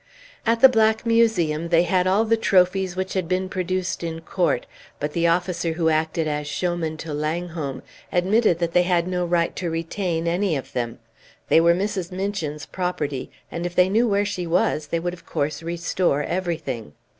At the Black Museum they had all the trophies which had been produced in court; but the officer who acted as showman to Langholm admitted that they had no right to retain any of them. They were Mrs. Minchin's property, and if they knew where she was they would of course restore everything.